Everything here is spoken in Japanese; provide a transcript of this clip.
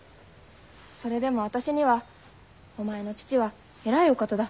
それでも私には「お前の父は偉いお方だ。